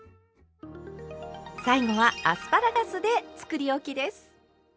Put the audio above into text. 最後はアスパラガスでつくりおきです。